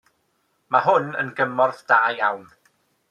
Mae hwn yn gymorth da iawn.